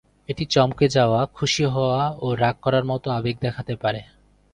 এটি চমকে যাওয়া, খুশি হওয়া ও রাগ করার মত আবেগ দেখাতে পারে।